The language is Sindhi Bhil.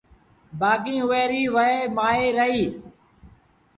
بآڪيٚݩ اُئي ريٚ وهي مآئيٚ رهيٚ